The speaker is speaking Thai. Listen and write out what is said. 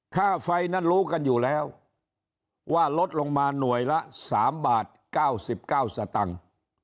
ค่าไฟนั้นรู้กันอยู่แล้วว่าลดลงมาหน่วยละ๓บาท๙๙สตังค์